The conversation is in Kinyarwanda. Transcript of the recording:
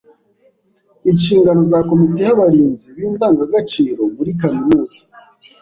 Inshingano za komite y’abarinzi b’indangagaciro muri kaminuza